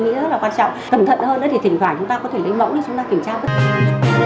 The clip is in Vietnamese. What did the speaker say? nghĩ rất là quan trọng cẩn thận hơn nữa thì thỉnh thoại chúng ta có thể lấy mẫu để chúng ta kiểm tra